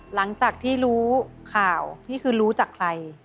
หลังจากที่รู้ข่าวนี่คือรู้จากใคร